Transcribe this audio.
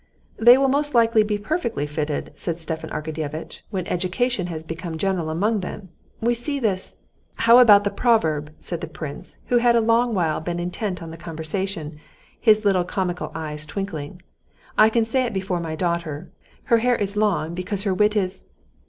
"They will most likely be perfectly fitted," said Stepan Arkadyevitch, "when education has become general among them. We see this...." "How about the proverb?" said the prince, who had a long while been intent on the conversation, his little comical eyes twinkling. "I can say it before my daughter: her hair is long, because her wit is...."